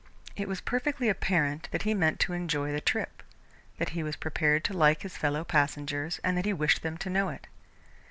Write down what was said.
It was perfectly apparent that he meant to enjoy the trip, that he was prepared to like his fellow passengers and that he wished them to know it.